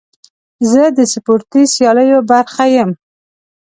زه د سپورتي سیالیو برخه یم.